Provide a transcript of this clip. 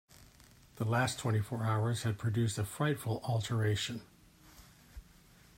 The last twenty-four hours had produced a frightful alteration.